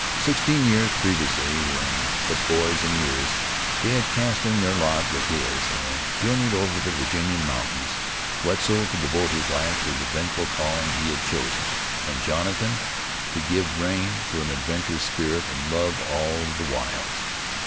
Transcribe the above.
Sixteen years previously, when but boys in years, they had cast in their lot with his, and journeyed over the Virginian Mountains, Wetzel to devote his life to the vengeful calling he had chosen, and Jonathan to give rein to an adventurous spirit and love of the wilds.